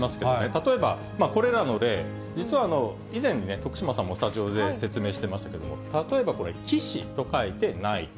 例えば、これらの例、実は以前にね、徳島さんもスタジオで説明してましたけど、例えばこれ、騎士と書いてナイト。